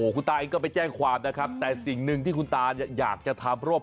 คุณตาเองก็ไปแจ้งความนะครับแต่สิ่งหนึ่งที่คุณตาอยากจะทำเพราะว่า